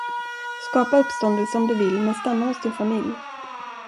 Skapa uppståndelse om du vill, men stanna hos din familj.